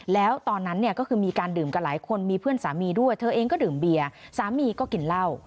แล้วตอนนั้นเนี่ยก็คือมีการดื่มกันหลายคนมีเพื่อนสามีด้วยเธอเองก็ดื่มเบียร์สามีก็กินเหล้า